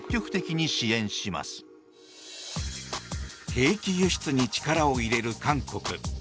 兵器輸出に力を入れる韓国。